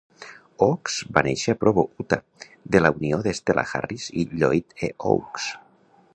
Oaks va néixer a Provo (Utah) de la unió de Stella Harris i Lloyd E. Oaks.